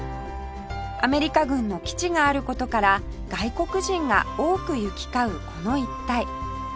アメリカ軍の基地がある事から外国人が多く行き交うこの一帯